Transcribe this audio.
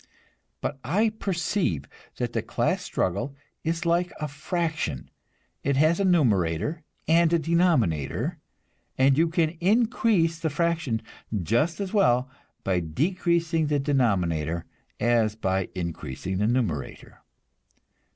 But I perceive that the class struggle is like a fraction; it has a numerator and a denominator, and you can increase the fraction just as well by decreasing the denominator as by increasing the numerator.